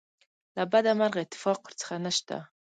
له بده مرغه اتفاق ورڅخه نشته.